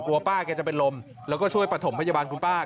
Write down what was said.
กลัวป้าเขาจะไปรมแล้วก็ช่วยประถมพยาบาลคุณป้า